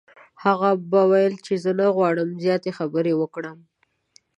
هغه به ویل چې زه نه غواړم زیاتې خبرې وکړم.